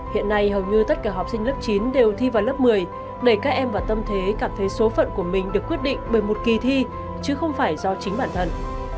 hiện nay hầu như tất cả học sinh lớp chín đều thi vào lớp một mươi đẩy các em vào tâm thế cảm thấy số phận của mình được quyết định bởi một kỳ thi chứ không phải do chính bản thân